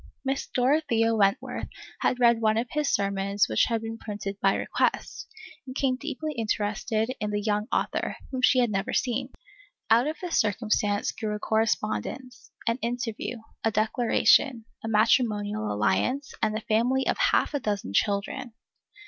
Miss Dorothea Wentworth had read one of his sermons which had been printed "by request," and became deeply interested in the young author, whom she had never seen. Out of this circumstance grew a correspondence, an interview, a declaration, a matrimonial alliance, and a family of half a dozen children.